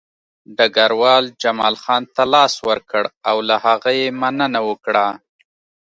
ډګروال جمال خان ته لاس ورکړ او له هغه یې مننه وکړه